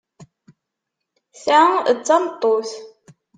Ta d tameṭṭut.